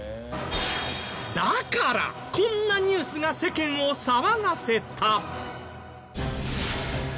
だからこんなニュースが世間を騒がせた。